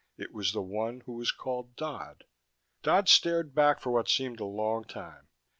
It was the one who was called Dodd. Dodd stared back for what seemed a long time.